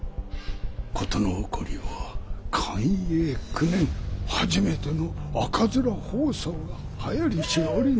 事の起こりは寛永九年初めての赤面疱瘡がはやりし折に。